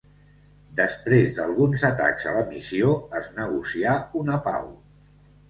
Després d'alguns atacs a la missió, es negocià una pau.